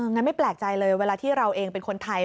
ไม่แปลกใจเลยเวลาที่เราเองเป็นคนไทย